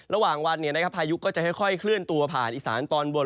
ระหว่างวันเนี่ยนะครับพายุก็จะค่อยคลื่นตัวผ่านอีสานตอนบน